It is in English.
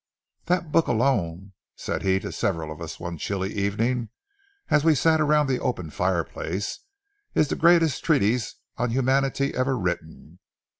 "That book alone," said he to several of us one chilly evening, as we sat around the open fireplace, "is the greatest treatise on humanity ever written.